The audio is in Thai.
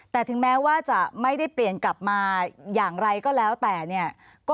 แต่ถึงแม้ว่าจะไม่ได้เปลี่ยนกลับมาอย่างไรก็แล้วแต่เนี่ย